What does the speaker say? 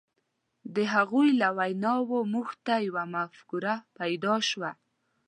د هغوی له ویناوو موږ ته یوه مفکوره پیدا شوه.